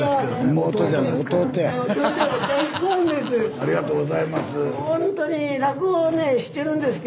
ありがとうございます。